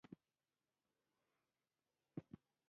د څلوېښت ستنو ماڼۍ مشهوره ده.